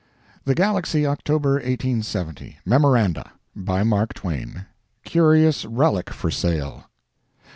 THE GALAXY, October 1870 MEMORANDA. BY MARK TWAIN. CURIOUS RELIC FOR SALE.